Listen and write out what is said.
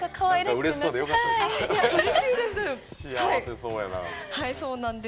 幸せそうやな。